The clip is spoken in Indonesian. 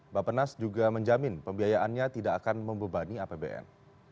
bapak nas juga menjamin pembiayaannya tidak akan membebani apbn